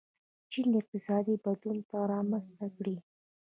چین اقتصادي بدلونونه رامنځته کړي.